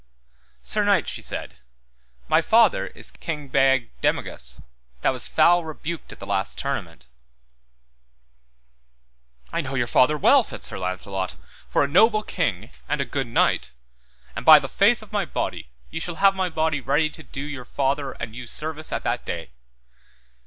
Sir knight, she said, my father is King Bagdemagus, that was foul rebuked at the last tournament. I know your father well, said Sir Launcelot, for a noble king and a good knight, and by the faith of my body, ye shall have my body ready to do your father and you service at that day.